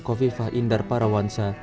kofifah indar parawansa